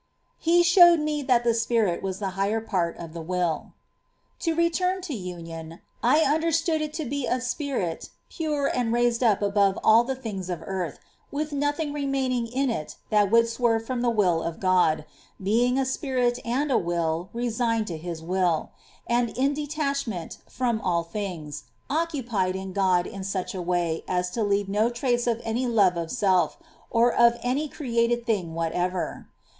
He showed me that the spirit was the higher part of the will. 3. To return to union ; I understood it to be TJuioiii .. a spirit, pure, and raised up above all the things of earth, with nothing remaining in it that would swerve from the will of God, being a spirit and a will resigned to His will, and in detachment from all things, occupied in God in such a way as to leave no trace of any love of self, or of any created thing whatever.